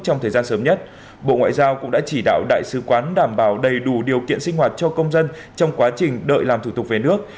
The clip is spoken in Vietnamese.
trong thời gian sớm nhất bộ ngoại giao cũng đã chỉ đạo đại sứ quán đảm bảo đầy đủ điều kiện sinh hoạt cho công dân trong quá trình đợi làm thủ tục về nước